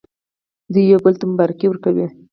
دوی یو بل ته مبارکي ورکوي.